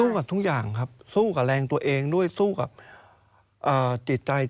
กับทุกอย่างครับสู้กับแรงตัวเองด้วยสู้กับจิตใจ